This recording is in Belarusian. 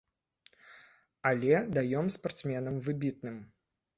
Але даём спартсменам выбітным.